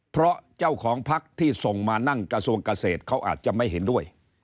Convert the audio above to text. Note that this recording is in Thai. เพราะเจ้าของพักที่ส่งมานั่งกระทรวงเกษตรเขาอาจจะไม่เห็นด้วย